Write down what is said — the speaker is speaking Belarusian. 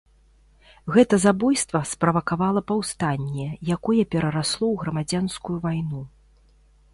Гэта забойства справакавала паўстанне, якое перарасло ў грамадзянскую вайну.